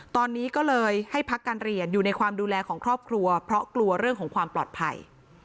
ตอนนี้ก็เลยให้พักการเรียนอยู่ในความดูแลของครอบครัวเพราะกลัวเรื่องของความปลอดภัย